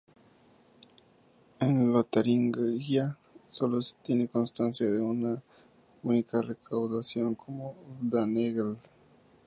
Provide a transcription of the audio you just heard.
En Lotaringia solo se tiene constancia de una única recaudación como "danegeld".